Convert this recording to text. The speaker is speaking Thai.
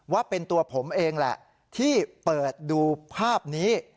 ว่าเป็นตัวผมเองแหละที่เปิดดูภาพนี้